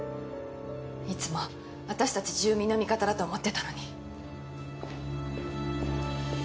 いつも私たち住民の味方だと思ってたのに。